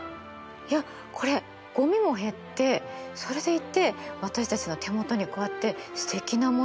いやこれごみも減ってそれでいて私たちの手元にこうやってすてきなものが届く。